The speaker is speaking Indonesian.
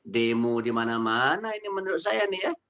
demo di mana mana ini menurut saya